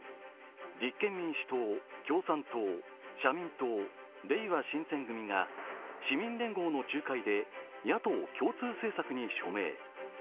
立憲民主党、共産党、社民党れいわ新選組が市民連合の仲介で野党共通政策に署名。